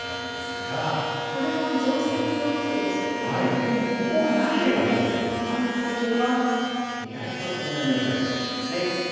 でもここがなければいいんですけどもある時は意外とそんなによくないかもしれないですね。